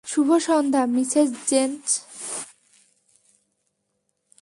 শুভ সন্ধ্যা, Mrs Jason.